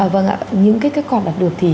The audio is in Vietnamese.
vâng ạ những cái kết quả đạt được thì